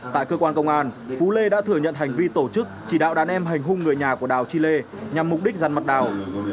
tại cơ quan công an phú lê đã thừa nhận hành vi tổ chức chỉ đạo đàn em hành hung người nhà của đào chi lê nhằm mục đích răn mặt đào